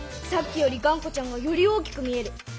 さっきよりがんこちゃんがより大きく見える。